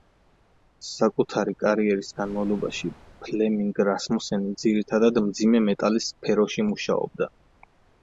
საკუთარი კარიერის განმავლობაში ფლემინგ რასმუსენი ძირითადად მძიმე მეტალის სფეროში მუშაობდა.